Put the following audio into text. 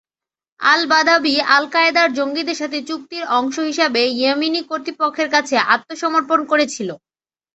আল-বাদাভি আল-কায়েদার জঙ্গিদের সাথে চুক্তির অংশ হিসাবে ইয়েমেনি কর্তৃপক্ষের কাছে আত্মসমর্পণ করেছিল।